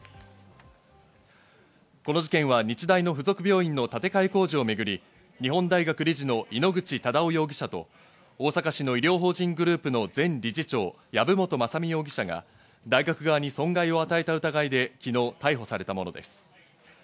この事件は日大の付属病院の建て替え工事をめぐり日本大学理事の井ノ口忠男容疑者と大阪市の医療法人グループの前理事長・籔本雅巳容疑者が大学側に損害を与えた疑いで昨日逮捕されたものです。